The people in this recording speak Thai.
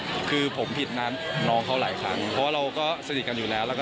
คุณกึ้งกันในกลุ่มอยู่แล้วอันนี้เป็นเรื่องปกติอยู่แล้ว